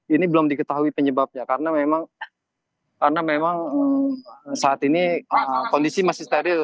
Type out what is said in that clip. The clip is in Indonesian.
ini belum diketahui penyebabnya karena memang karena memang saat ini kondisi masih steril